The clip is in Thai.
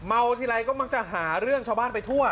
เมาทีลัยก็คงจะหาเรื่องชาวบ้านไปทั่ว